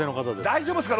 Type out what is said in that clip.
大丈夫っすか？